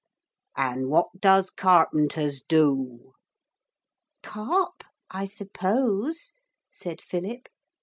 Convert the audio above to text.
'And what does carpenters do?' 'Carp, I suppose,' said Philip.